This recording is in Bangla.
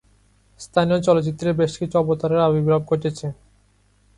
স্থানীয় চলচ্চিত্রে বেশ কিছু অবতারের আবির্ভাব ঘটেছে।